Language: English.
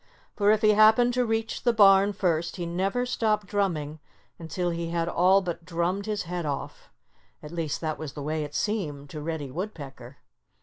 For if he happened to reach the barn first he never stopped drumming until he had all but drummed his head off. At least, that was the way it seemed to Reddy Woodpecker.